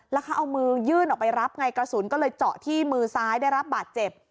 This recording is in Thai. แล้วเขาเอามือยื่นออกไปรับไงกระสุนก็เลยเจาะที่มือซ้ายได้รับบาดเจ็บ